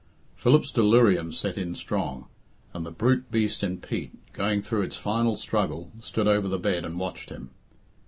Philip's delirium set in strong, and the brute beast in Pete, going through its final struggle, stood over the bed and watched him.